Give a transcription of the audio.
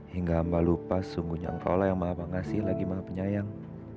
hingga hamba lupa sungguhnya engkau lah yang maafkan kasih lagi maaf penyayang